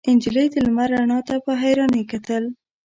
نجلۍ د لمر رڼا ته په حيرانۍ کتل.